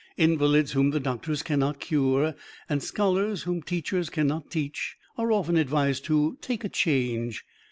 Invalids whom the doctors can not cure, and scholars whom teachers can not teach, are often advised to take "a change."